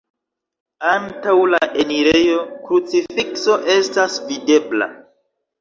Antaŭ la enirejo krucifikso estas videbla.